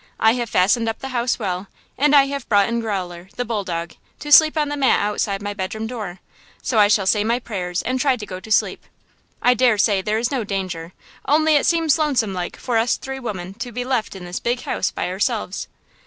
I have fastened up the house well, and I have brought in Growler, the bulldog, to sleep on the mat outside my bedroom door, so I shall say my prayers and try to go to sleep. I dare say there is no danger, only it seems lonesome like for us three women to be left in this big house by ourselves."